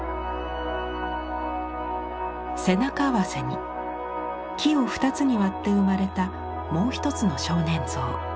背中合わせに木を二つに割って生まれたもう一つの少年像。